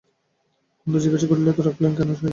কুন্দ জিজ্ঞাসা করিল, এত রাগলেন কেন শশীদাদা?